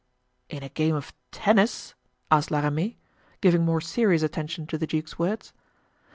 "In a game of tennis?" asked La Ramee, giving more serious attention to the duke's words.